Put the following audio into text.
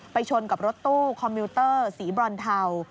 ชนกับรถตู้คอมมิวเตอร์สีบรอนเทา